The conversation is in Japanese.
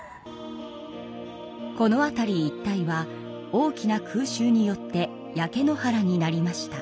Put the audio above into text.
この辺り一帯は大きな空襲によって焼け野原になりました。